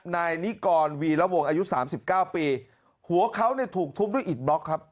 นายนิกรวีระวงอายุสามสิบเก้าปีหัวเขาเนี่ยถูกทุบด้วยอิดบล็อกครับ